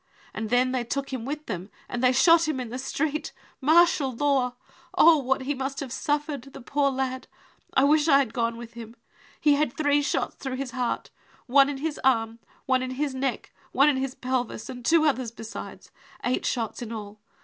And then they took him with them and they shot him in the street, c martial law.' Oh, what he must have suffered, the poor lad, I wish I had gone with him ! He had three shots through his heart, one in his arm, one in his neck, one in his pelvis, and two others besides, eight shots in all.